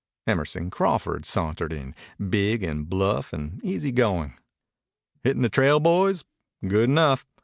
Emerson Crawford sauntered in, big and bluff and easy going. "Hittin' the trail, boys? Good enough.